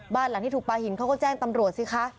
บ้านหลังที่ถูกปลาหินเขาก็แจ้งตำรวจสิคะ